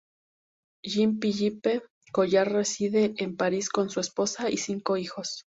Jean-Philippe Collard reside en París con su esposa y cinco hijos.